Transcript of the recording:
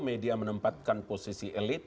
media menempatkan posisi elit